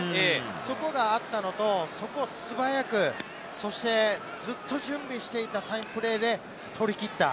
そこがあったのと、そこを素早くずっと準備していたサインプレーで取りきった。